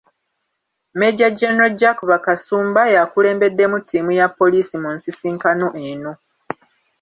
Major General Jack Bakasumba y’akulembeddemu ttiimu ya poliisi mu nsisinkano eno.